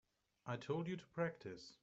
I told you to practice.